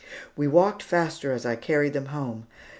We walked faster as I carried them home.